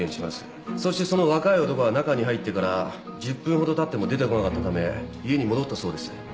そしてその若い男が中に入ってから１０分ほどたっても出てこなかったため家に戻ったそうです。